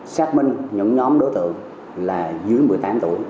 xác minh những nhóm đối tượng là dưới một mươi tám tuổi